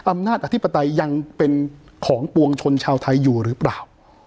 อธิปไตยยังเป็นของปวงชนชาวไทยอยู่หรือเปล่า